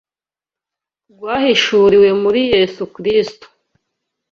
rwahishuriwe muri Yesu Kristo